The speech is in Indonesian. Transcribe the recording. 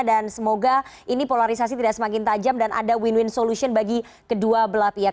dan semoga ini polarisasi tidak semakin tajam dan ada win win solution bagi kedua belah pihak